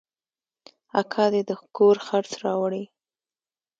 اکا دې د کور خرڅ راوړي.